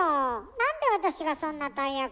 なんで私がそんな大役を？